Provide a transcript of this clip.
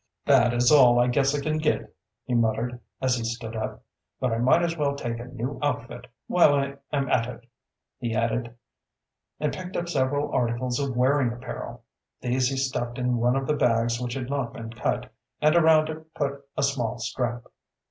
"That is all I guess I can get," he muttered, as he stood up. "But I might as well take a new outfit while I am at it," he added, and picked up several articles of wearing apparel. These he stuffed in one of the bags which had not been cut, and around it put a small strap.